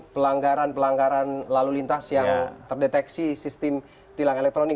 pelanggaran pelanggaran lalu lintas yang terdeteksi sistem tilang elektronik